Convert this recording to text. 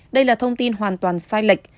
đây là thông tin hoàn toàn sai lệch